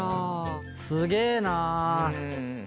すげえな。